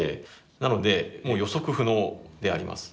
なのでもう予測不能であります。